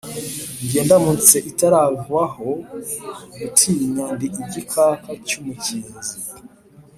Nijye ndamutsa itarumvwaho gutinya, ndi igikaka cy'umukinzi